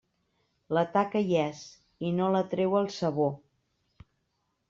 La taca hi és, i no la treu el sabó.